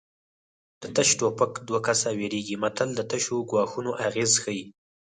د تش ټوپکه دوه کسه ویرېږي متل د تشو ګواښونو اغېز ښيي